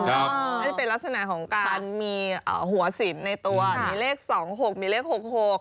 น่าจะเป็นลักษณะของการมีหัวสินในตัวมีเลข๒๖มีเลข๖๖